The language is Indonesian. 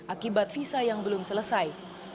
akibat visa yang belum selesai